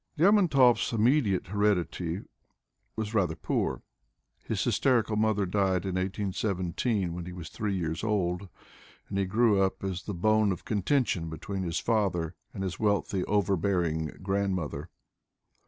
Lermontov's immediate heredity was rather poor. His hys terical mother died in 18x7, when he was three years old, and he grew up as the bone of contention between his father and his wealthy, overbearing grandmother.